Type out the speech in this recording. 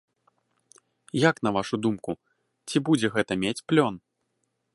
Як на вашую думку, ці будзе гэта мець плён?